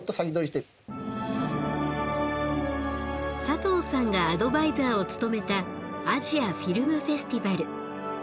佐藤さんがアドバイザーを務めた「アジア・フィルム・フェスティバル」。